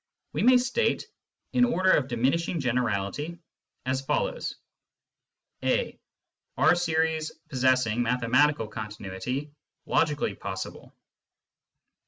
We may state these, in order of diminishing generality, as follows :— (a) Are series possessing mathematical continuity logically possible